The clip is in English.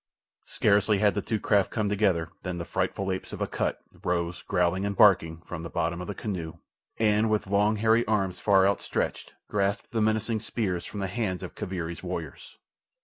Scarcely had the two craft come together than the frightful apes of Akut rose, growling and barking, from the bottom of the canoe, and, with long, hairy arms far outstretched, grasped the menacing spears from the hands of Kaviri's warriors.